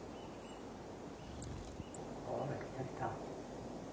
ほら来た来た。